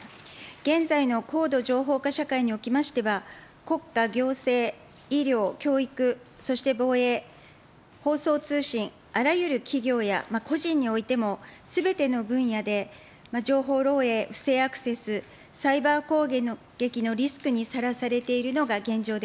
現在の高度情報化社会におきましては、国家、行政、医療、教育、そして防衛、放送通信、あらゆる企業や個人においても、すべての分野で情報漏えい、不正アクセス、サイバー攻撃のリスクにさらされているのが現状でございます。